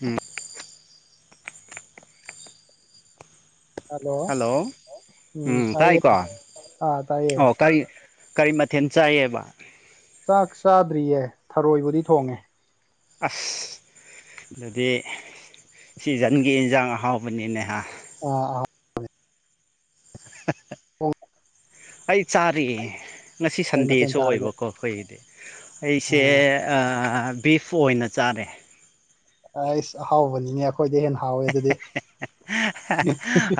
ꯎꯝ hello ꯎꯝ ꯎ ꯇꯥꯏꯌꯦ ꯇꯥꯏꯀꯣ ꯑꯥ ꯇꯥꯏꯌꯦ ꯑꯣ ꯀꯔꯤ ꯀꯔꯤ ꯃꯊꯦꯜ ꯆꯥꯏꯌꯦꯕ ꯆꯥꯛ ꯆꯥꯗ꯭ꯔꯤꯌꯦ ꯊꯔꯣꯏꯕꯨꯗꯤ ꯊꯣꯡꯉꯦ ꯑꯁ ꯑꯗꯨꯗꯤ ꯁꯤꯖꯟꯒꯤ ꯏꯟꯖꯥꯡ ꯑꯍꯥꯎꯕꯅꯤꯅꯦꯍ ꯑ ꯑꯥ [unintelligible] ꯊꯣꯡ ꯑꯩ ꯆꯥꯔꯤꯑꯦ ꯉꯁꯤ ꯀꯩ ꯃꯊꯦꯜ ꯁꯟꯗꯦꯁꯨ ꯆꯥꯔꯒꯦ ꯑꯣꯏꯕꯀꯣ ꯑꯩꯈꯣꯏꯒꯤꯗꯤ ꯑꯩꯁꯦ ꯑꯣ ꯕꯤꯐ ꯑꯣꯏꯅ ꯆꯥꯔꯦ ꯑꯩꯁ ꯑꯍꯥꯎꯕꯅꯤꯅꯦ ꯣꯏ ꯍꯥꯎ [unintelligible]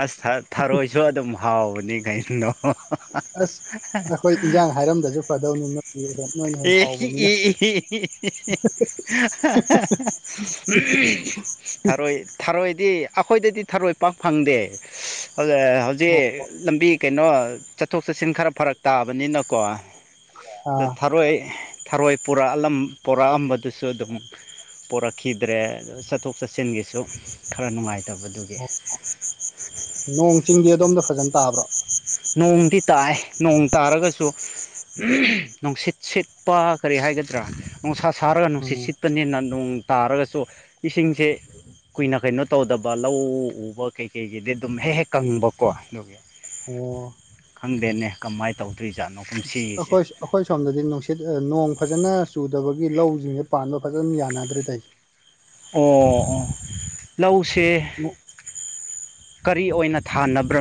ꯑꯁ ꯊꯥꯔꯣꯏꯁꯨ ꯑꯗꯨꯝ ꯍꯥꯎꯕꯅꯤ ꯀꯏꯅꯣ ꯑꯁ ꯑꯩꯈꯣꯏ ꯏꯟꯖꯥꯡ ꯍꯥꯏꯔꯝꯗꯁꯨ ꯐꯗꯧꯅꯤꯅꯦ ꯑꯦ ꯎꯝ ꯊꯔꯣꯏ ꯊꯔꯣꯏꯗꯤ ꯑꯩꯈꯣꯏꯗꯗꯤ ꯊꯔꯣꯏ ꯄꯥꯛ ꯐꯪꯗꯦ ꯦ ꯂꯝꯕꯤ ꯀꯩꯅꯣ ꯆꯠꯊꯣꯛ ꯆꯠꯁꯤꯟ ꯈꯔ ꯐꯔꯛ ꯇꯥꯕꯅꯤꯅꯀꯣ ꯑꯗ ꯑ ꯊꯔꯣꯏ ꯊꯔꯣꯏ ꯄꯨꯔꯛꯂꯝ ꯄꯨꯔꯛꯑꯝꯕꯗꯨꯁꯨ ꯑꯗꯨꯝ ꯄꯣꯔꯛꯈꯤꯗ꯭ꯔꯦ ꯆꯠꯊꯣꯛ ꯆꯠꯁꯤꯟꯒꯤꯁꯨ ꯈꯔ ꯅꯨꯡꯉꯥꯏꯇꯕ ꯑꯣ ꯅꯣꯡ ꯆꯤꯡꯗꯤ ꯑꯗꯣꯝꯗ ꯐꯖꯅ ꯇꯥꯕ꯭ꯔꯣ ꯅꯣꯡꯗꯤ ꯇꯥꯏ ꯅꯣꯡ ꯇꯥꯔꯒꯁꯨ ꯅꯨꯡꯁꯤꯠ ꯁꯤꯠꯄ ꯀꯔꯤ ꯍꯥꯏꯒꯗ꯭ꯔꯥ ꯅꯨꯡꯁꯥ ꯁꯥꯔꯒ ꯅꯨꯡꯁꯤꯠ ꯎꯝ ꯁꯤꯠ ꯄꯅꯦꯅ ꯅꯣꯡ ꯇꯥꯔꯒꯁꯨ ꯏꯁꯤꯡꯁꯦ ꯀꯨꯏꯅ ꯀꯩꯅꯣ ꯇꯧꯗꯕ ꯂꯧ ꯎꯕ ꯀꯩꯀꯩꯒꯤꯗꯤ ꯑꯗꯨꯝ ꯍꯦꯛ ꯍꯦꯛ ꯀꯪꯕꯀꯣ ꯑꯗꯨꯒꯤ ꯑꯣ ꯈꯪꯗꯦꯅꯦ ꯀꯃꯥꯏ ꯇꯧ ꯗꯧꯔꯤ ꯖꯥꯠꯅꯣ ꯑꯩꯈꯣꯏ ꯑꯩꯈꯣꯏ ꯁꯣꯝꯗꯗꯤ ꯅꯨꯡꯁꯤꯠ ꯅꯣꯡ ꯐꯖꯅ ꯆꯨꯗꯕꯒꯤ ꯂꯧꯁꯤꯡꯁꯦ ꯄꯥꯟꯕ ꯐꯖꯅ ꯌꯥꯅꯗ꯭ꯔꯦꯗ ꯇꯥꯏꯁꯦ ꯑꯣ ꯑꯣ ꯂꯧꯁꯦ ꯀꯔꯤ ꯑꯣꯏꯅ ꯊꯥꯅꯕ꯭ꯔꯥ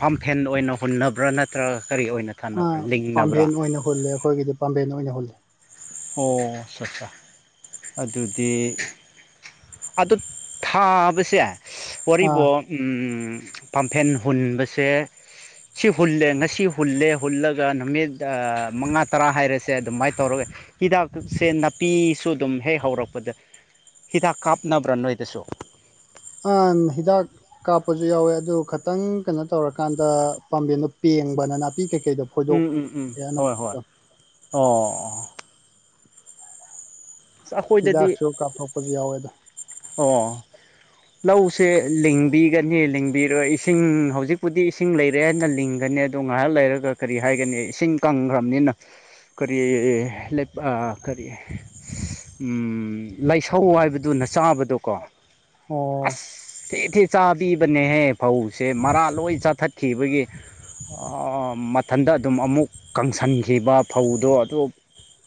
ꯄꯥꯝꯐꯦꯟ ꯑꯣꯏꯅ ꯍꯨꯟꯅꯕ꯭ꯔꯥ ꯅꯠꯇ꯭ꯔꯒ ꯀꯔꯤ ꯑꯣꯏꯅ ꯊꯥꯅꯕ꯭ꯔꯥ ꯂꯤꯡꯅꯕ꯭ꯔꯥ ꯄꯥꯝꯕꯦꯟ ꯑꯣꯏꯅ ꯍꯨꯜꯂꯦ ꯑꯩꯈꯣꯏꯒꯤꯗꯤ ꯄꯥꯝꯕꯦꯟ ꯑꯣꯏꯅ ꯍꯨꯜꯂꯦ ꯑꯣ ꯑ ꯑꯆꯥ ꯑꯗꯨꯗꯤ ꯑꯗꯨ ꯊꯥꯕꯁꯦ ꯑꯥ ꯋꯥꯔꯤꯕꯣ ꯎꯝ ꯄꯝꯐꯦꯟ ꯍꯨꯟꯕꯁꯦ ꯁꯤ ꯍꯨꯜꯂꯦ ꯉꯁꯤ ꯍꯨꯜꯂꯦ ꯍꯨꯜꯂꯒ ꯅꯨꯃꯤꯠ ꯃꯉꯥ ꯇꯔꯥ ꯍꯥꯏꯔꯁꯦ ꯑꯗꯨꯃꯥꯏꯅ ꯇꯧꯔꯒ ꯍꯤꯗꯥꯛꯁꯦ ꯅꯥꯄꯤꯁꯨ ꯑꯗꯨꯝ ꯍꯦꯛ ꯍꯧꯔꯛꯄꯗ ꯍꯤꯗꯥꯛ ꯀꯥꯞꯅꯕ꯭ꯔꯥ ꯅꯣꯏꯗꯁꯨ ꯑ ꯍꯤꯗꯥꯛ ꯀꯥꯞꯄꯁꯨ ꯌꯥꯎꯋꯦ ꯑꯗꯨ ꯈꯤꯇꯪ ꯀꯩꯅꯣ ꯇꯧꯔꯀꯥꯟꯗ ꯄꯥꯝꯕꯦꯟꯗꯣ ꯄꯦꯡꯕꯅ ꯅꯥꯄꯤ ꯀꯩꯀꯩꯗꯣ ꯐꯣꯏꯗꯣꯛ ꯎꯝ ꯎꯝ ꯎꯝ ꯑꯅꯝꯕ ꯍꯣꯏ ꯍꯣꯏ ꯑꯣ ꯑꯣ ꯑꯁ ꯑꯩꯈꯣꯏꯗꯗꯤ ꯍꯤꯗꯥꯛꯁꯨ ꯀꯥꯞꯊꯣꯛꯄꯁꯨ ꯌꯥꯎꯋꯦꯗ ꯑꯣ ꯂꯧꯁꯦ ꯂꯤꯡꯕꯤꯒꯅꯤ ꯂꯤꯡꯕꯤꯔꯣꯏ ꯏꯁꯤꯡ ꯍꯧꯖꯤꯛꯄꯨꯗꯤ ꯏꯁꯤꯡ ꯂꯩꯔꯦ ꯍꯥꯏꯅ ꯂꯤꯡꯒꯅꯤ ꯇꯣ ꯉꯥꯏꯔ ꯂꯩꯔꯒ ꯀꯔꯤ ꯍꯥꯏꯒꯅꯤ ꯏꯁꯤꯡ ꯀꯪꯈ꯭ꯔꯕꯅꯤꯅ ꯀꯔꯤ ꯂꯩ ꯀꯔꯤ ꯎꯝ ꯂꯥꯏꯁꯧ ꯍꯥꯏꯕꯗꯨ ꯅ ꯆꯥꯕꯗꯣꯀꯣ ꯑꯣ ꯑꯁ ꯊꯤ ꯊꯤ ꯆꯥꯕꯤꯕꯅꯦꯍꯦ ꯐꯧꯁꯦ ꯃꯔꯥ ꯂꯣꯏ ꯆꯥꯊꯠꯈꯤꯕꯒꯤ ꯃꯊꯟꯇ ꯑꯗꯨꯝ ꯑꯃꯨꯛ ꯀꯪꯁꯟꯈꯤꯕ ꯐꯧꯗꯣ ꯑꯗꯨ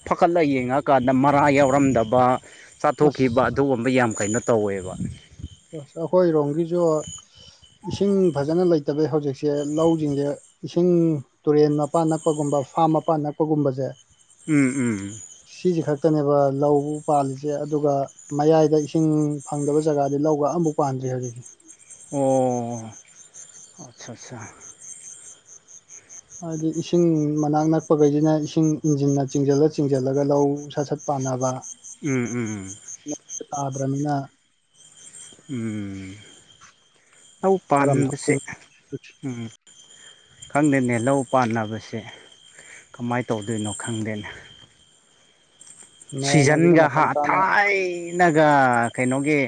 ꯐꯒꯠꯂ ꯌꯦꯡꯉꯀꯥꯟꯗ ꯃꯔꯥ ꯌꯥꯎꯔꯝꯗꯕ ꯆꯥꯊꯣꯛꯈꯤꯕ ꯑꯁ ꯑꯗꯨꯒꯨꯝꯕ ꯌꯥꯝ ꯀꯩꯅꯣ ꯇꯧꯋꯦꯕ ꯑꯁ ꯑꯩꯈꯣꯏꯔꯣꯝꯒꯤꯁꯨ ꯏꯁꯤꯡ ꯐꯖꯅ ꯂꯩꯇꯕꯩ ꯍꯧꯖꯤꯛꯁꯦ ꯂꯧꯁꯤꯡꯁꯦ ꯏꯁꯤꯡ ꯇꯨꯔꯦꯟ ꯃꯄꯥꯟ ꯅꯛꯄꯒꯨꯝꯕ ꯐꯥꯝ ꯃꯄꯥꯟ ꯅꯛꯄꯒꯨꯝꯕꯁꯦ ꯎꯝ ꯎꯝ ꯁꯤꯁꯦ ꯈꯛꯇꯅꯦꯕ ꯂꯧꯕꯨ ꯄꯥꯜꯂꯤꯁꯦ ꯑꯗꯨꯒ ꯃꯌꯥꯏꯗ ꯏꯁꯤꯡ ꯐꯪꯗꯕ ꯖꯒꯥ ꯇꯤꯂꯧꯒ ꯑꯃꯐꯥꯎ ꯄꯥꯟꯗ꯭ꯔꯤ ꯍꯧꯖꯤꯇꯤ ꯑꯣ ꯑꯆꯥ ꯑꯠꯆꯥ ꯍꯥꯏꯗꯤ ꯏꯁꯤꯡ ꯃꯅꯥꯛ ꯅꯛꯄꯈꯩꯁꯤꯅ ꯏꯁꯤꯡ ꯏꯟꯖꯤꯟꯅ ꯆꯤꯡꯁꯤꯜꯂ ꯆꯤꯡꯁꯤꯜꯂꯒ ꯂꯧ ꯁꯠ ꯁꯠ ꯄꯥꯟꯅꯕ ꯎꯝ ꯎꯝ ꯎꯝ ꯎꯝ ꯇꯥꯗ꯭ꯔꯅꯤꯅ ꯎꯝ ꯂꯧ ꯀꯔꯝ ꯄꯥꯟꯕꯁꯦ ꯊꯣꯛꯇꯣꯏꯅꯣ ꯎ ꯈꯪꯗꯦꯅꯦ ꯂꯧ ꯄꯥꯟꯅꯕꯁꯦ ꯀꯃꯥꯏꯅ ꯇꯧꯗꯣꯏꯅꯣ ꯈꯪꯗꯦꯅꯦ ꯅꯣꯡ ꯑꯁꯤꯅ ꯁꯤꯖꯟꯒ ꯃꯇꯝ ꯆꯥꯅ ꯊꯥꯏꯅꯒ ꯀꯩꯅꯣꯒꯤ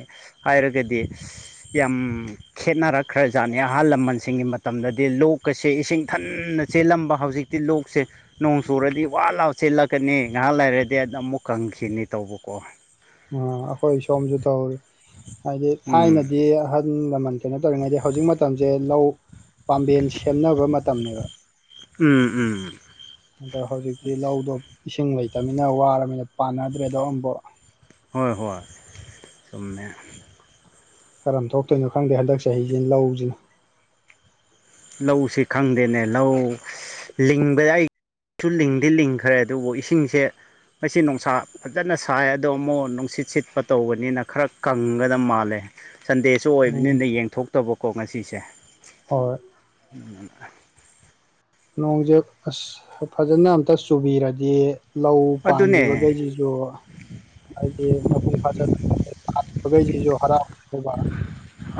ꯍꯥꯏꯔꯒꯗꯤ ꯌꯥꯝ ꯈꯦꯠꯅꯔꯛꯈ꯭ꯔꯖꯥꯠꯅꯤ ꯑꯍꯜ ꯂꯃꯟꯁꯤꯡꯒꯤ ꯃꯇꯝꯗꯗꯤ ꯂꯣꯛꯀꯁꯦ ꯏꯁꯤꯡ ꯊꯟꯅ ꯆꯦꯜꯂꯝꯕ ꯍꯧꯖꯤꯛ ꯇꯤꯜꯂꯣꯛꯁꯦ ꯅꯣꯡ ꯆꯨꯔꯗꯤ ꯋꯥ ꯂꯥꯎ ꯆꯦꯜꯂꯛꯀꯅꯤ ꯉꯥꯏꯍꯥꯛ ꯂꯩꯔꯗꯤ ꯑ ꯑꯃꯨꯛ ꯀꯪꯁꯤꯅꯤ ꯇꯧꯕꯀꯣ ꯎ ꯑꯩꯈꯣꯏ ꯁꯣꯝꯁꯨ ꯇꯧꯋ ꯍꯥꯏꯗꯤ ꯎꯝ ꯊꯥꯏꯅꯗꯤ ꯑꯍꯟ ꯂꯃꯟ ꯀꯩꯅꯣ ꯇꯧꯔꯤꯉꯩꯗꯤ ꯍꯧꯖꯤꯛ ꯃꯇꯝꯁꯦ ꯂꯧ ꯄꯥꯝꯕꯦꯟ ꯁꯦꯝꯅꯕ ꯃꯇꯝꯅꯦꯕ ꯎꯝ ꯎꯝ ꯑꯗꯣ ꯍꯧꯖꯤꯛꯇꯤ ꯂꯧꯗꯣ ꯏꯁꯤꯡ ꯂꯩꯇꯅꯤꯅ ꯋꯥꯔꯕꯃꯤꯅ ꯄꯥꯟꯅꯗ꯭ꯔꯦꯗꯣ ꯑꯃꯕꯨ ꯍꯣꯏ ꯍꯣꯏ ꯆꯝꯃꯦ ꯀꯔꯝ ꯊꯣꯛꯇꯣꯏꯅꯣ ꯈꯪꯗꯦ ꯍꯟꯗꯛ ꯆꯍꯤꯁꯤ ꯂꯧꯁꯤꯅ ꯂꯧꯁꯤꯦ ꯈꯪꯗꯦꯅꯦ ꯂꯧ ꯂꯤꯡꯕꯗ ꯑꯩꯁꯨ ꯂꯤꯡꯗꯤ ꯂꯤꯡꯈ꯭ꯔꯦ ꯑꯗꯨꯕꯨ ꯏꯁꯤꯡꯁꯦ ꯃꯁꯤ ꯅꯨꯡꯁꯥ ꯐꯖꯅ ꯁꯥꯏ ꯑꯗꯣ ꯑꯃꯨꯛ ꯅꯨꯡꯁꯤꯠ ꯁꯤꯠꯄ ꯇꯧꯕꯅꯤꯅ ꯈꯔ ꯀꯪꯒꯗ ꯃꯥꯜꯂꯦ ꯁꯟꯗꯦꯁꯨ ꯎꯝ ꯑꯣꯏꯕꯅꯤꯅ ꯌꯦꯡꯊꯣꯛꯇꯕꯀꯣ ꯉꯁꯤꯁꯦ ꯍꯣꯏ [unintelligible] ꯅꯣꯡꯖꯦ ꯑꯁ ꯐꯖꯅ ꯑꯝꯇ ꯆꯨꯕꯤꯔꯗꯤ ꯂꯧ ꯑꯗꯨꯅꯦ ꯄꯥꯟꯒꯤꯕꯒꯩꯖꯤ ꯑꯗꯨ ꯍꯥꯏꯗꯤ ꯃꯄꯨꯡ ꯐꯥꯖꯈꯩ [unintelligible] [unintelligible]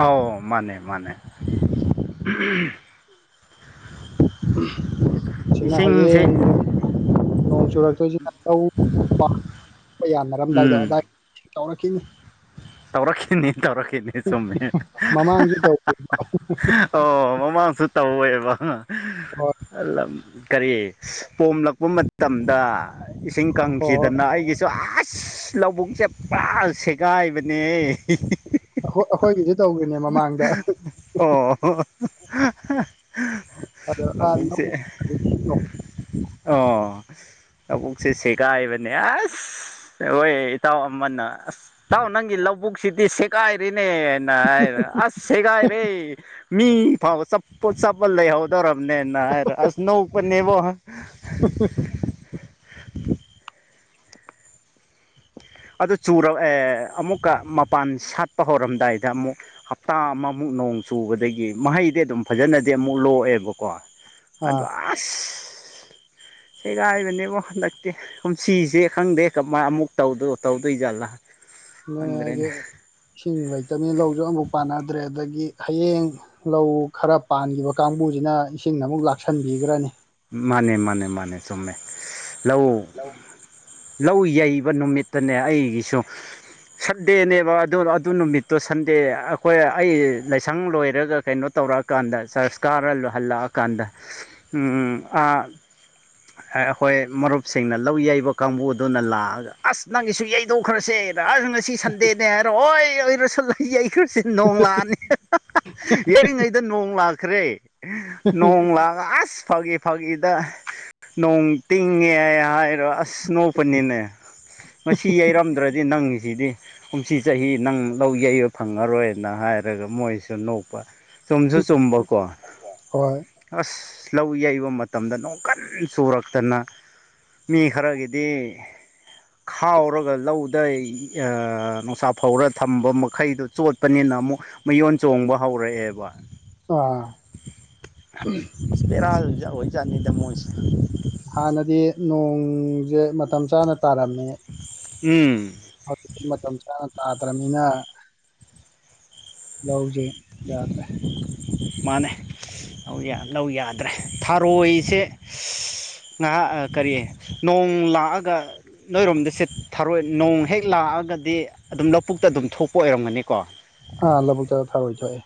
ꯑꯥꯎ ꯃꯥꯅꯦ ꯃꯥꯅꯦ [unintelligible] [unintelligible] ꯁꯤꯅ ꯏꯁꯤꯡꯁꯦ ꯍꯌꯦꯡ ꯅꯣꯡ ꯆꯨꯔꯛꯇꯣꯏꯖꯤꯅ [unintelligible] ꯌꯥꯅꯔꯝꯗꯥꯏꯗꯣ ꯎꯝ ꯑꯗꯥꯏ ꯇꯧꯔꯛꯈꯤꯅꯤ ꯇꯧꯔꯛꯈꯤꯅꯤ ꯇꯧꯔꯛꯈꯤꯅꯤ ꯆꯨꯝꯃꯦ ꯃꯃꯥꯡꯁꯨ ꯇꯧꯈꯤ [unintelligible] [unintelligible] ꯇꯧꯋꯦꯕ ꯍꯣꯏ [unintelligible] ꯀꯔꯤ ꯄꯣꯝꯂꯛꯄ ꯃꯇꯝꯗ ꯏꯁꯤꯡ ꯍꯣꯏ ꯀꯪꯈꯤꯗꯅ ꯑꯩꯒꯤꯁꯨ ꯑꯁ ꯂꯧꯕꯨꯛꯁꯦ ꯄꯨꯔꯥ ꯁꯦꯡ ꯒꯥꯏꯕꯅꯦꯍꯦ [unintelligible] ꯑꯩꯈꯣꯏꯒꯤꯖꯨ ꯇꯧꯒꯤꯅꯦ ꯃꯃꯥꯡꯗ [unintelligible] ꯑꯗ ꯑꯥ ꯂꯧꯕꯨꯛꯁꯦ [inaudible] ꯑꯣ ꯂꯕꯨꯛꯁꯦ ꯁꯦꯒꯥꯏꯕꯅꯦ ꯑꯁ ꯍꯣꯏ ꯏꯇꯥꯎ ꯑꯃꯅ ꯑꯁ ꯏꯇꯥꯎ ꯅꯪꯒꯤ ꯂꯧꯕꯨꯛꯁꯤꯗꯤ ꯁꯦꯒꯥꯏꯔꯦꯅꯦ ꯑꯁ ꯁꯦꯒꯥꯏ ꯔꯦ ꯃꯤ ꯐꯥꯎ ꯆꯞꯄ ꯆꯞꯄ ꯂꯩ ꯍꯥꯏ ꯗꯧꯔꯝ ꯅꯦꯅ ꯍꯥꯏꯔ ꯑꯁ ꯅꯣꯛꯄꯅꯦꯕꯨ [unintelligible] ꯑꯗꯨ ꯆꯨꯔꯛꯑꯦ ꯑꯃꯨꯛꯀ ꯃꯄꯥꯟ ꯁꯥꯠꯄ ꯍꯧꯔꯝꯗꯥꯏꯗ ꯑꯃꯨꯛ ꯍꯞꯇꯥ ꯑꯃꯃꯨꯛ ꯅꯣꯡ ꯆꯨꯕꯗꯒꯤ ꯃꯍꯩꯗꯤ ꯑꯗꯨꯝ ꯐꯖꯅꯗꯤ ꯑꯃꯨꯛ ꯂꯣꯛꯑꯦꯕꯀꯣ ꯑꯗꯨ ꯑꯥ ꯑꯁ ꯁꯦꯒꯥꯏꯕꯅꯦꯕꯣ ꯍꯟꯗꯛꯇꯤ ꯀꯨꯝꯁꯤꯁꯦ ꯈꯪꯗꯦ ꯀꯃꯥꯏꯅ ꯑꯃꯨꯛ ꯇꯧꯗꯣ ꯇꯧꯗꯣꯏꯖꯥꯠꯂ ꯑꯗꯨꯅꯦ ꯍꯥꯏꯖꯦ ꯏꯁꯤꯡ ꯂꯩꯇꯕꯅꯤꯅ ꯂꯧꯖꯨ ꯑꯃꯕꯨꯛ ꯄꯥꯟꯅꯗ꯭ꯔꯦ ꯑꯗꯒꯤ ꯍꯌꯦꯡ ꯂꯧ ꯈꯔ ꯄꯥꯟꯒꯤꯕ ꯀꯥꯡꯕꯨꯖꯤꯅ ꯏꯁꯤꯡ ꯑꯃꯨꯛ ꯂꯥꯛꯁꯟꯕꯤꯒ꯭ꯔꯅꯤ ꯃꯥꯅꯦ ꯃꯥꯅꯦ ꯃꯥꯅꯦ ꯆꯨꯝꯃꯦ ꯂꯧ ꯂꯧ ꯌꯩꯕ ꯅꯨꯃꯤꯠꯇꯅꯦ ꯑꯩꯒꯤꯁꯨ ꯁꯟꯗꯦꯅꯦꯕ ꯑꯗꯨ ꯑꯗꯨ ꯅꯨꯃꯤꯠꯇꯣ ꯁꯟꯗꯦ ꯑꯈꯣꯏ ꯑꯩ ꯂꯥꯏꯁꯪ ꯂꯣꯏꯔꯒ ꯀꯩꯅꯣ ꯇꯧꯔ ꯀꯟꯗ ꯆꯔꯁ ꯀꯥꯔ ꯍꯜꯂ ꯑ ꯀꯥꯟꯗ ꯎꯝ ꯑ ꯑꯩꯈꯣꯏ ꯃꯔꯨꯞꯁꯤꯡꯅ ꯂꯧ ꯌꯩꯕ ꯀꯥꯡꯕꯨ ꯑꯗꯨꯅ ꯂꯥꯛꯑꯒ ꯑꯁ ꯅꯪꯒꯤꯁꯨ ꯌꯩꯊꯣꯛꯈ꯭ꯔꯁꯦ ꯑꯁ ꯉꯁꯤ ꯁꯟꯗꯦꯅꯦ ꯍꯥꯏꯔ ꯑꯣꯏ ꯑꯣꯏꯔꯁꯨ ꯌꯩꯈ꯭ꯔꯁꯦ ꯅꯣꯡ ꯂꯥꯛꯑꯅꯤ ꯌꯩꯔꯤꯉꯩꯗ ꯅꯣꯡ ꯂꯥꯛꯈ꯭ꯔꯦ꯫ ꯅꯣꯡ ꯂꯥꯛꯑꯒ ꯑꯁ ꯐꯥꯒꯤ ꯐꯥꯒꯤꯗ ꯅꯣꯡ ꯇꯤꯡꯉꯦ ꯍꯥꯏꯔꯌꯦ ꯍꯥꯏꯔ ꯑꯁ ꯑꯁ ꯅꯣꯛꯄꯅꯤꯅꯦ ꯉꯁꯤ ꯌꯩꯔꯝꯗ꯭ꯔꯗꯤ ꯅꯪꯒꯤꯁꯤꯗꯤ ꯀꯨꯝꯁꯤ ꯆꯍꯤ ꯅꯪ ꯂꯧ ꯌꯩꯕ ꯐꯪꯉꯔꯣꯏꯅ ꯍꯥꯏꯔꯒ ꯃꯣꯏꯁꯨ ꯅꯣꯛꯄ ꯆꯨꯝꯁꯨ ꯆꯨꯝꯕꯀꯣ ꯍꯣꯏ ꯑꯁ ꯂꯧ ꯌꯩꯕ ꯃꯇꯝꯗ ꯅꯣꯡ ꯀꯟ ꯆꯨꯔꯛꯇꯅ ꯃꯤ ꯈꯔꯒꯤꯗꯤ ꯈꯥꯎꯔꯒ ꯂꯧꯗ ꯑ ꯅꯨꯡꯁꯥ ꯐꯧꯔ ꯊꯝꯕ ꯃꯈꯩꯗꯨ ꯆꯣꯠꯄꯅꯤꯅ ꯑꯃꯨꯛ ꯃꯌꯣꯟ ꯆꯣꯡꯕ ꯍꯧꯔꯛꯑꯦꯕ ꯑ [inaudible] ꯎ‌ꯝ ꯑꯁ ꯕꯦꯔꯥ ꯑꯣꯏꯖꯥꯠꯅꯤꯗ ꯃꯣꯏꯁꯦ ꯍꯥꯟꯅꯗꯤ ꯅꯣꯡꯖꯦ ꯃꯇꯝ ꯆꯥꯅ ꯇꯥꯔꯝꯃꯦ [unintelligible] ꯎꯝ ꯍꯧꯖꯤꯛꯇꯤ ꯃꯇꯝ ꯆꯥꯅ ꯇꯥꯗ꯭ꯔꯕꯅꯤꯅ ꯂꯧꯖꯦ ꯌꯥꯗꯔꯦ ꯃꯥꯅꯦ ꯂꯧ ꯂꯧ ꯌꯥꯗ꯭ꯔꯦ ꯊꯔꯣꯏꯁꯦ ꯉꯥꯍꯥꯛ ꯀꯔꯤ ꯅꯣꯡ ꯂꯥꯛꯑꯒ ꯅꯣꯏꯔꯣꯝꯗꯤꯁꯦ ꯊꯔꯣꯏ ꯅꯣꯡ ꯍꯦꯛ ꯂꯥꯛꯑꯒꯗꯤ ꯑꯗꯨꯝ ꯂꯧꯕꯨꯛꯇ ꯑꯗꯨꯝ ꯊꯣꯛꯄ ꯑꯣꯏꯔꯝꯒꯅꯤꯀꯣ꯫ ꯑꯥ ꯂꯧꯕꯨꯛꯇ ꯊꯥꯔꯣꯏ ꯊꯣꯛꯑꯦ꯫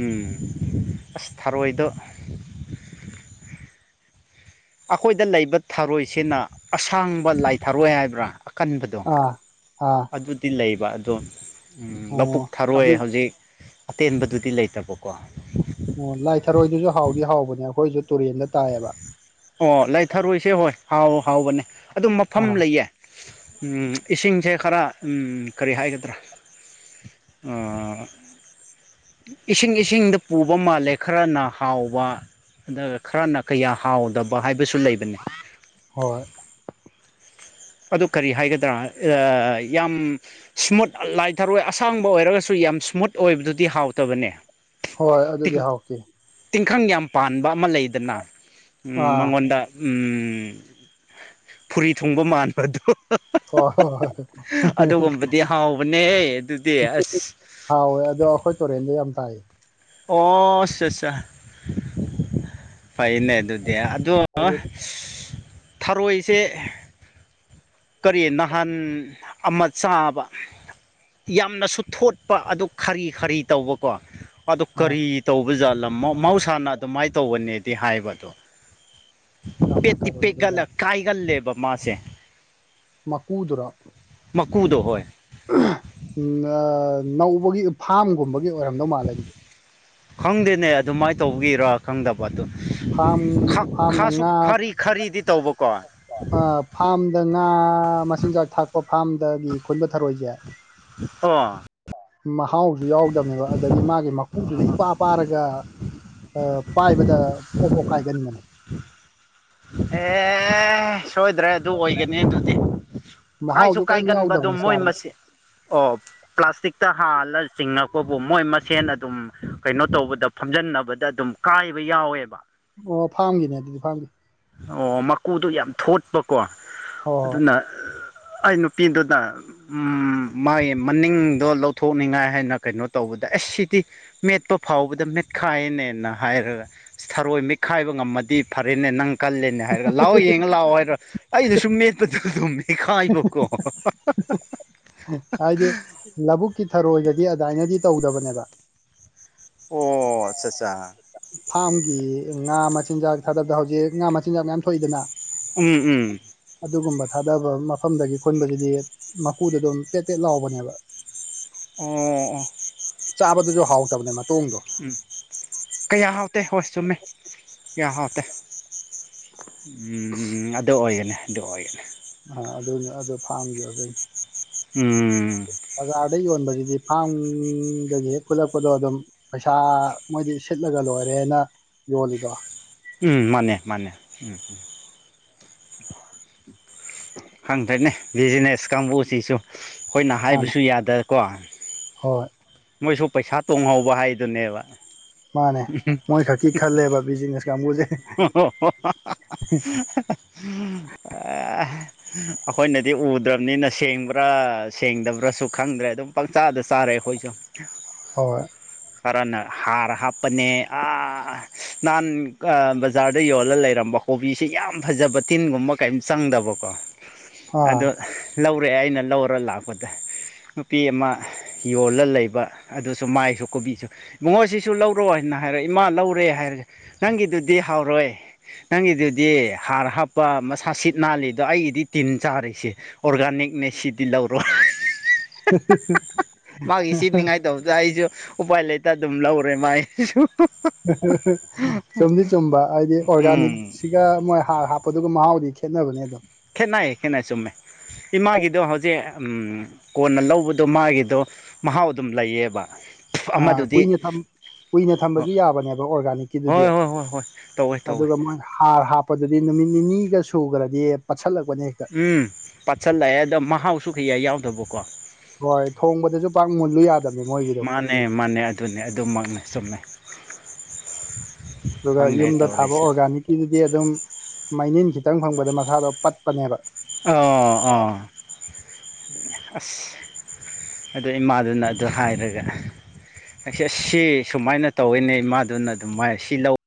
ꯎꯝ ꯑꯁ ꯊꯥꯔꯣꯏꯗꯣ ꯑꯈꯣꯏꯗ ꯂꯩꯕ ꯊꯥꯔꯣꯏꯁꯤꯅ ꯑꯁꯥꯡꯕ ꯂꯥꯏ ꯊꯥꯔꯣꯏ ꯍꯥꯏꯕ꯭ꯔꯥ ꯀꯟꯕꯗꯣ ꯑꯥ ꯑꯥ ꯑꯗꯨꯗꯤ ꯂꯩꯕ ꯑꯗꯣ ꯎꯝ ꯑꯣ ꯂꯧꯕꯨꯛ ꯊꯥꯔꯣꯏ ꯑꯗꯨ ꯍꯧꯖꯤꯛ ꯑꯇꯦꯟꯕꯗꯨꯗꯤ ꯂꯩꯇꯕꯀꯣ ꯑꯣ ꯂꯥꯏ ꯊꯔꯣꯏꯗꯨꯁꯨ ꯍꯥꯎꯗꯤ ꯍꯥꯎꯕꯅꯦ ꯑꯩꯈꯣꯏꯁꯨ ꯇꯨꯔꯦꯟꯗ ꯇꯥꯏꯕ ꯑꯣ ꯂꯥꯏꯊꯔꯣꯏꯁꯦ ꯍꯣꯏ ꯍꯥꯎ ꯍꯥꯎꯕꯅꯦ ꯑꯗꯨ ꯃꯐꯝ ꯑꯥ ꯂꯩꯌꯦ ꯎꯝ ꯏꯁꯤꯡꯁꯦ ꯈꯔ ꯎꯝ ꯀꯔꯤ ꯍꯥꯏꯒꯗ꯭ꯔꯥ ꯑꯥ ꯏꯁꯤꯡ ꯏꯁꯤꯡꯗ ꯄꯨꯕ ꯃꯥꯜꯂꯦ ꯈꯔꯅ ꯍꯥꯎꯕ ꯑꯗꯨꯒ ꯈꯔꯅ ꯀꯌꯥ ꯍꯥꯎꯗꯕ ꯍꯥꯏꯕꯁꯨ ꯂꯩꯕꯅꯦ꯫ ꯍꯣꯏ ꯑꯗꯨ ꯀꯔꯤ ꯍꯥꯏꯒꯗ꯭ꯔꯥ ꯑ ꯌꯥꯝ ꯁꯃꯨꯠ ꯂꯥꯏꯊꯔꯣꯏ ꯑꯁꯥꯡꯕ ꯑꯣꯏꯔꯒꯁꯨ ꯌꯥꯝ ꯁ꯭ꯃꯨꯠ ꯑꯣꯏꯕꯗꯨꯗꯤ ꯍꯥꯎꯇꯕꯅꯦ꯫ ꯍꯣꯏ ꯑꯗꯨꯗꯤ ꯍꯥꯎꯇꯦ ꯇꯤꯡꯈꯪ ꯌꯥꯝ ꯄꯥꯟꯕ ꯑꯃ ꯂꯩꯗꯅ ꯑꯥ ꯃꯉꯣꯟꯗ ꯎꯝ ꯐꯨꯔꯤ ꯊꯨꯡꯕ ꯃꯥꯟꯕꯗꯣ ꯍꯣꯏ ꯍꯣꯏ ꯍꯣꯏ ꯑꯗꯨꯒꯨꯝꯕꯗꯤ ꯍꯥꯎꯕꯅꯦ ꯑꯗꯨꯗꯤ ꯑꯁ ꯍꯥꯎꯋꯦ ꯑꯗꯣ ꯑꯈꯣꯏ ꯇꯣꯔꯦꯟꯗ ꯌꯥꯝ ꯇꯥꯏꯌꯦ꯫ ꯑꯣ ꯑꯆꯥꯥ ꯆꯥ ꯐꯩꯅꯦ ꯑꯗꯨꯗꯤ ꯑꯗꯣ ꯍꯥꯏꯗꯤ ꯊꯔꯣꯏꯁꯦ ꯀꯔꯤ ꯅꯍꯥꯟ ꯑꯃ ꯆꯥꯕ ꯌꯥꯝꯅꯁꯨ ꯊꯣꯠꯄ ꯑꯗꯨ ꯈꯔꯤ ꯈꯔꯤ ꯇꯧꯕꯀꯣ ꯑꯗꯨ ꯑꯥ ꯀꯔꯤ ꯇꯧꯕꯖꯥꯠꯂ ꯃꯍꯧꯁꯥꯅ ꯑꯗꯨꯃꯥꯏ ꯇꯧꯕꯅꯦꯗꯤ ꯍꯥꯏꯕꯗꯣ ꯀꯥꯝꯂꯥ ꯄꯦꯠꯇꯤ ꯊꯔꯣꯏ ꯄꯦꯒꯜꯂ ꯑꯣꯏꯖꯥꯠꯅꯤ ꯀꯥꯏꯒꯜꯂꯦꯕ ꯃꯥꯁꯦ꯫ ꯃꯀꯨꯗꯨꯔꯣ ꯃꯀꯨꯗꯣ ꯍꯣꯏ ꯅꯧꯕꯒꯤ ꯐꯥꯝꯒꯨꯝꯕꯒꯤ ꯑꯣꯏꯔꯝꯗꯧ ꯃꯥꯜꯂꯦ ꯑꯗꯨꯗꯤ ꯈꯪꯗꯦꯅꯦ ꯑꯗꯨꯃꯥꯏꯅ ꯇꯧꯕꯒꯤꯔꯥ ꯈꯪꯗꯕ ꯑꯗꯨꯣ ꯐꯥꯝ ꯈ ꯐꯥꯝꯗ ꯈꯥꯁꯨ ꯈꯔꯤ ꯈꯔꯤꯗꯤ ꯇꯧꯕꯀꯣ ꯑ ꯐꯥꯔꯝꯗ ꯉꯥ ꯃꯆꯤꯟꯖꯥꯛ ꯊꯥꯛꯄ ꯐꯥꯔꯝꯗꯒꯤ ꯈꯣꯏꯟꯕ ꯊꯥꯔꯣꯢꯁꯦ ꯑꯣ ꯃꯍꯥꯎꯁꯨ ꯌꯥꯎꯗꯕꯅꯦꯕ ꯑꯗꯒꯤ ꯃꯥꯒꯤ ꯏꯄꯥ ꯄꯥꯔꯒ ꯄꯥꯏꯕꯗ ꯄꯣꯛ ꯄꯣꯛ ꯀꯥꯏꯒꯟꯕꯅꯦ ꯑꯦ ꯁꯣꯏꯗ꯭ꯔꯦ ꯑꯗꯨ ꯑꯣꯏꯒꯅꯤ ꯑꯗꯨꯗꯤ ꯀꯥꯏꯁꯨ ꯃꯍꯥꯎꯁꯨ ꯀꯔꯤꯝ ꯀꯥꯏꯒꯟꯕ ꯑꯗꯣ ꯌꯥꯎꯗꯕꯅꯦ ꯃꯣꯏ ꯆꯥꯕꯗ ꯃꯁ ꯑꯣ ꯄ꯭ꯂꯥꯁꯇꯤꯛꯇ ꯍꯥꯜꯂ ꯆꯤꯡꯉꯛꯄꯕꯨ ꯃꯣꯏ ꯃꯁꯦꯟ ꯑꯗꯨꯝ ꯀꯩꯅꯣ ꯇꯧꯕꯗ ꯐꯝꯖꯤꯟꯅꯕꯗ ꯑꯗꯨꯝ ꯀꯥꯏꯕ ꯌꯥꯎꯋꯦꯕ ꯑꯣ ꯐꯥꯝꯒꯤꯅꯦ ꯑꯗꯨꯗꯤ ꯐꯥꯝꯒꯤ ꯑꯣ ꯃꯀꯨꯗꯣ ꯌꯥꯝ ꯊꯣꯠꯄꯀꯣ ꯍꯣꯏ ꯍꯣꯏ ꯑꯗꯨꯅ ꯑꯩ ꯅꯨꯄꯤꯗꯨꯅ ꯃꯥꯒꯤ ꯃꯅꯤꯡꯗꯣ ꯂꯧꯊꯣꯛꯅꯤꯡꯉꯥꯏ ꯍꯥꯏꯅ ꯀꯩꯅꯣ ꯇꯧꯕꯗ ꯑꯁ ꯁꯤꯗꯤ ꯃꯦꯠꯄ ꯐꯥꯎꯕꯗ ꯃꯦꯠꯈꯥꯏꯅꯦꯅ ꯍꯥꯏꯔꯒ ꯁꯥꯔꯣꯏ ꯃꯤꯠꯈꯥꯏꯕ ꯉꯝꯃꯗꯤ ꯐꯔꯦꯅꯦ ꯅꯪ ꯀꯜꯂꯦꯅꯦ ꯍꯥꯏꯔꯒ ꯂꯥꯛꯑꯣ ꯌꯦꯡꯉ ꯂꯥꯛꯑꯣ ꯍꯥꯏꯔ ꯑꯩꯅ ꯁꯨꯝ ꯃꯦꯠꯄꯗꯨ ꯑꯗꯨꯝ ꯃꯦꯠꯈꯥꯏꯕꯀꯣ ꯍꯥꯏꯗꯤ ꯂꯧꯕꯨꯛꯀꯤ ꯊꯔꯣꯏꯗꯗꯤ ꯑꯗꯨꯃꯥꯏꯅꯗꯤ ꯇꯧꯗꯕꯅꯦꯕ ꯑꯣ ꯑꯆꯥ ꯑꯠꯆꯥ ꯐꯥꯝꯒꯤ ꯉꯥ ꯃꯆꯤꯟꯖꯥꯛ ꯊꯥꯗꯕꯗ ꯍꯧꯖꯤꯛ ꯉꯥ ꯃꯆꯤꯟꯖꯥꯛ ꯃꯌꯥꯝ ꯊꯣꯛꯏꯗꯅ ꯎꯝ ꯎꯝ ꯑꯗꯨꯒꯨꯝꯕ ꯊꯥꯗꯕ ꯃꯐꯝꯗꯒꯤ ꯈꯨꯟꯕꯁꯤꯗꯤ ꯃꯀꯨꯗ ꯑꯗꯨꯝ ꯄꯦꯠ ꯄꯦꯠ ꯂꯥꯎꯕꯅꯦꯕ ꯎꯝ ꯆꯥꯕꯗꯨꯁꯨ ꯍꯥꯎꯇꯕꯅꯦ ꯃꯇꯣꯡ ꯎꯝ ꯀꯌꯥ ꯍꯥꯎꯇꯦ ꯍꯣꯏ ꯆꯨꯝꯃꯦ ꯀꯌꯥ ꯍꯥꯎꯇꯦ ꯎꯝ ꯑꯗꯣ ꯑꯣꯏꯒꯅꯤ ꯑꯗꯨ ꯑꯣꯏꯒꯅꯤ ꯑ ꯑꯗꯨꯅꯦ ꯑꯗꯨ ꯐꯥꯝꯒꯤ ꯑꯗꯨꯏꯅꯤ ꯎꯝ ꯕꯖꯥꯔꯗ ꯌꯣꯟꯕꯁꯤꯗꯤ ꯐꯥꯝꯗꯒꯤ ꯍꯦꯛ ꯈꯨꯠꯂꯛꯄꯗꯣ ꯑꯗꯨꯝ ꯄꯩꯁꯥ ꯃꯣꯏꯗꯤ ꯁꯤꯠꯂꯒ ꯂꯣꯏꯔꯦꯅ ꯌꯣꯜꯂꯤꯗꯣ ꯎꯝ ꯃꯥꯅꯦ ꯃꯥꯅꯦ ꯎꯝ ꯎꯝ ꯈꯪꯗ꯭ꯔꯦꯅꯦ ꯕꯤꯖꯤꯅꯦꯁ ꯀꯥꯡꯕꯨꯁꯤꯁꯨ ꯑꯩꯈꯣꯏꯅ ꯃꯥꯅꯦ ꯍꯥꯏꯕꯁꯨ ꯌꯥꯗꯀꯣ ꯍꯣꯏ ꯃꯣꯏꯁꯨ ꯄꯩꯁꯥ ꯇꯣꯡꯍꯧꯕ ꯍꯥꯏꯗꯨꯅꯦꯕ ꯑꯣ [unintelligible] ꯃꯥꯅꯦ ꯃꯣꯏ ꯈꯛꯀꯤ ꯈꯜꯂꯦꯕ ꯕꯤꯖꯤꯅꯦꯁ ꯀꯥꯡꯕꯨꯁꯦ [unintelligible] ꯑꯩꯈꯣꯏꯅꯗꯤ ꯎꯗ꯭ꯔꯕꯅꯤꯅ ꯁꯦꯡꯕ꯭ꯔꯥ ꯁꯦꯡꯗꯕ꯭ꯔꯥꯁꯨ ꯈꯪꯗ꯭ꯔꯦ ꯑꯗꯨꯝ ꯄꯪꯆꯥꯗ ꯆꯥꯔꯦ ꯑꯩꯈꯣꯏꯁꯨ [unintelligible] ꯍꯣꯏ ꯀꯔꯅ ꯍꯥꯔ ꯍꯥꯞꯄꯅꯦ ꯑꯥ ꯅꯍꯥꯟ ꯕꯖꯥꯔꯗ ꯌꯣꯜꯂ ꯂꯩꯔꯝꯕ ꯀꯣꯕꯤꯁꯤ ꯌꯥꯝ ꯐꯖꯕ ꯇꯤꯟꯒꯨꯝꯕ ꯀꯩꯝ ꯆꯪꯗꯕꯀꯣ ꯑꯗꯣ ꯑꯥ ꯂꯧꯔꯛꯑꯦ ꯑꯩꯅ ꯂꯧꯔ ꯂꯥꯛꯄꯗ ꯅꯨꯄꯤ ꯑꯃ ꯌꯣꯜꯂ ꯂꯩꯕ ꯑꯗꯨꯁꯨ ꯃꯥꯏꯁꯨ ꯀꯣꯕꯤꯁꯨ ꯏꯕꯨꯉꯣꯁꯤꯁꯨ ꯂꯧꯔ ꯂꯧ꯭ꯔꯣ ꯍꯥꯏꯅ ꯍꯥꯏꯔꯛ ꯏꯃꯥ ꯂꯧꯔꯦ ꯍꯥꯏꯔꯒꯦ ꯅꯪꯒꯤꯗꯨꯗꯤ ꯍꯥꯎꯔꯣꯏ ꯅꯪꯒꯤꯗꯨꯗꯤ ꯍꯥꯔ ꯍꯥꯞꯄ ꯃꯁꯥ ꯁꯤꯠ ꯅꯥꯜꯂꯤ ꯗꯣ ꯑꯩꯒꯤꯗꯤ ꯇꯤꯟ ꯆꯥꯔꯤꯁꯦ ꯑꯣꯔꯒꯥꯅꯤꯛꯅꯦ ꯁꯤꯗꯤ ꯂꯧꯔꯣ [unintelligible] [unintelligible] ꯃꯥꯒꯤ ꯁꯤꯠꯅꯤꯉꯥꯏꯇꯧꯕꯗ ꯑꯩꯁꯨ ꯎꯄꯥꯏ ꯂꯩꯇ ꯑꯗꯨꯝ ꯂꯧꯔꯦ ꯃꯥꯥꯏ [unintelligible] ꯁꯨ ꯆꯨꯝꯗꯤ ꯆꯨꯝꯕ ꯍꯥꯏꯗꯤ ꯑꯣꯔꯒꯥꯅꯤꯛ ꯎꯝ ꯁꯤꯒ ꯃꯣꯏ ꯍꯥꯔ ꯍꯥꯞꯄꯗꯨꯒ ꯃꯍꯥꯎꯗꯤ ꯈꯦꯠꯅꯕꯅꯦ ꯑꯗꯨꯝ ꯈꯦꯠꯅꯩ ꯈꯦꯠꯅꯩ ꯆꯨꯝꯃꯦ ꯏꯃꯥꯒꯤꯗꯣ ꯍꯧꯖꯤꯛ ꯑꯝ ꯀꯣꯟꯅ ꯂꯧꯕꯗꯣ ꯃꯥꯒꯤꯗꯣ ꯃꯍꯥꯎ ꯑꯗꯨꯝ ꯂꯩꯌꯦꯕ꯫ ꯑꯥ ꯑꯃꯗꯨꯗꯤ ꯀꯨꯏꯅ ꯊꯝ ꯀꯨꯏꯅ ꯊꯝꯕꯁꯨ ꯌꯥꯕꯅꯦꯕ ꯑꯣꯔꯒꯥꯅꯤꯛꯀꯤꯗꯨꯗꯤ ꯍꯣꯏ ꯍꯣꯏ ꯍꯣꯏ ꯍꯣꯏ ꯇꯧꯋꯦ ꯇꯧꯋꯦ ꯑꯗꯨꯒ ꯃꯣꯏ ꯍꯥꯔ ꯍꯥꯞ ꯄ ꯗꯨꯗꯤ ꯅꯨꯃꯤꯠ ꯅꯤꯅꯤꯒ ꯁꯨꯈ꯭ꯔꯗꯤ ꯄꯠꯁꯜꯂꯛꯄꯅꯦ ꯍꯦꯛꯇ꯫ ꯎꯝ ꯄꯠꯁꯜꯂꯛꯑꯦ ꯑꯗꯣ ꯃꯍꯥꯎꯁꯨ ꯀꯩꯌꯥ ꯌꯥꯎꯗꯕꯀꯣ꯫ ꯍꯣꯏ ꯊꯣꯡꯕꯗꯁꯨ ꯄꯥꯛ ꯃꯨꯜꯂꯨ ꯌꯥꯗꯕꯅꯦ ꯃꯣꯏꯒꯤꯗꯣ꯫ ꯑꯦ ꯃꯥꯅꯦ ꯑꯗꯨꯅꯦ ꯑꯗꯨꯃꯛꯅꯦ ꯆꯨꯝꯃꯦ꯫ ꯑꯗꯨꯒ ꯈꯪꯗꯦ ꯌꯨꯝꯗ ꯊꯥꯕ ꯇꯧꯔꯤꯁꯦ ꯑꯣꯔꯒꯥꯅꯤꯛꯀꯤꯗꯨꯗꯤ ꯑꯗꯨꯝ ꯃꯩꯅꯤꯟ ꯈꯤꯇꯪ ꯐꯪꯕꯗ ꯃꯁꯥꯗꯣ ꯄꯠꯄꯅꯦꯕ꯫ ꯑꯥꯑꯥ ꯑꯁ ꯑꯗꯨ ꯏꯃꯥꯗꯨꯅ ꯑꯗꯨ ꯍꯥꯏꯔꯒ ꯑꯁꯤ ꯑꯁꯤ ꯁꯨꯃꯥꯏꯅ ꯇꯧꯋꯤꯅꯦ ꯏꯃꯥꯗꯨꯅ ꯑꯗꯨꯃꯥꯏꯅ ꯁꯤ ꯂꯧ꯫